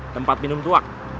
tempat minum tuak